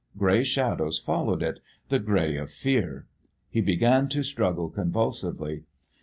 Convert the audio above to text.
Grey shadows followed it the grey of fear. He began to struggle convulsively.